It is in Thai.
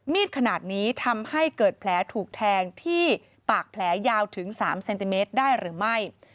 ขนาดนี้ทำให้เกิดแผลถูกแทงที่ปากแผลยาวถึง๓เซนติเมตรได้หรือไม่